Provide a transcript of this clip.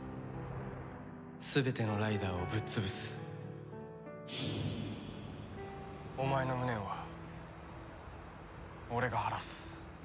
全てのライダーをぶっ潰すお前の無念は俺が晴らす。